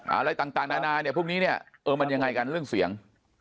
อะไรต่างนานาเนี่ยพวกนี้เนี่ยเออมันยังไงกันเรื่องเสียง